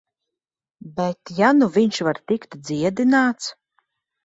Bet ja nu viņš var tikt dziedināts...